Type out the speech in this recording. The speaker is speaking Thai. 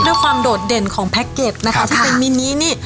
ด้วยความโดดเด่นของแพ็กเกจนะครับที่เป็นมีนี้นี่